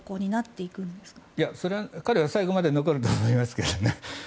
いや、彼は最後まで残ると思いますけどね。